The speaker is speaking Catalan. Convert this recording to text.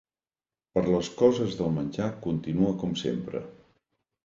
Per les coses del menjar continua com sempre.